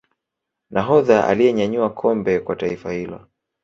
nahodha aliyenyanyua kombe Kwa taifa hilo